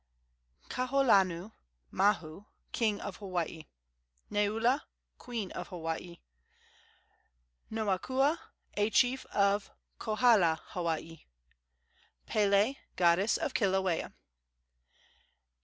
Kauholanui mahu, king of Hawaii. Neula, queen of Hawaii. Noakua, a chief of Kohala, Hawaii. Pele, goddess of Kilauea.